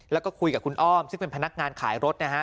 แล้วก็คุยกับคุณอ้อมซึ่งเป็นพนักงานขายรถนะฮะ